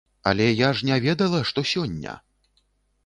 Але я ж не ведала, што сёння!